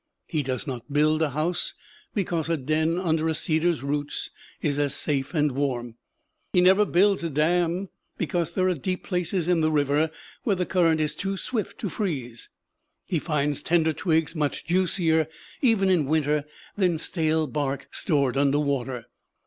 He does not build a house, because a den under a cedar's roots is as safe and warm. He never builds a dam, because there are deep places in the river where the current is too swift to freeze. He finds tender twigs much juicier, even in winter, than stale bark stored under water.